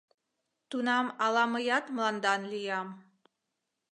Тунам ала мыят мландан лиям.